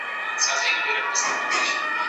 زه اوس ليکنه کوم،